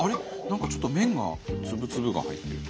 何かちょっと麺が粒々が入ってる。